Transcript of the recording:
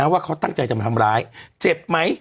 ว่าเขาตั้งใจจะมาทำร้ายเจ็บไหม